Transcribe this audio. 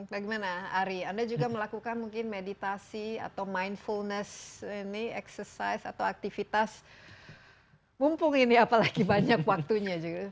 bagaimana ari anda juga melakukan mungkin meditasi atau mindfulness ini exercise atau aktivitas mumpung ini apalagi banyak waktunya juga